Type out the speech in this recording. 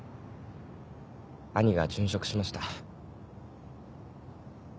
兄が殉職しました。